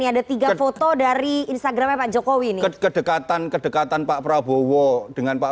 ada tiga foto dari instagramnya pak jokowi ini kedekatan kedekatan pak prabowo dengan pak